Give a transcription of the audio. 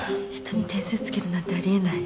人に点数つけるなんてあり得ない。